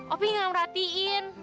opi gak merhatiin